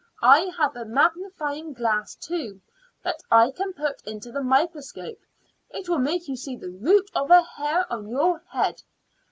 I have a magnifying glass, too, that I can put into the microscope; it will make you see the root of a hair on your head.